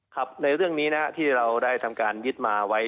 ครับในเรื่องนี้นะที่เราได้ทำการยึดมาไว้